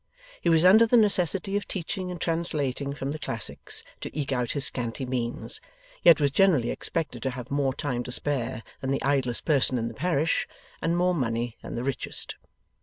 He was under the necessity of teaching and translating from the classics, to eke out his scanty means, yet was generally expected to have more time to spare than the idlest person in the parish, and more money than the richest.